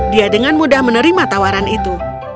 dia dengan mudah menerima tawaran itu